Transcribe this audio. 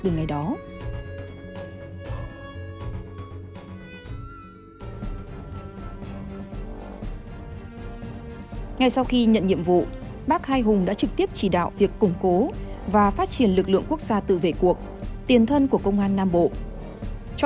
ngay sau đó ngay sau khi nhận nhiệm vụ bác hai hùng đã trực tiếp chỉ đạo việc củng cố và phát triển lực lượng quốc gia tự vệ cuộc tiền thân của công an nam bộ